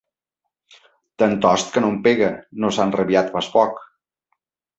Tantost que no em pega: no s'ha enrabiat pas poc!